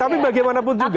tapi bagaimanapun juga